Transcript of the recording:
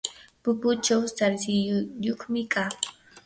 pupuchaw sarsilluyuqmi kaa.